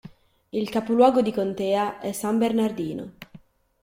Il capoluogo di contea è San Bernardino.